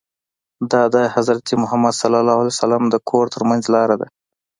دا د حضرت محمد ص د کور ترمنځ لاره ده.